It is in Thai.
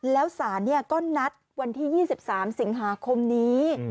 แล้วศาลก็นัดวันที่๒๓สิงหาคมนี้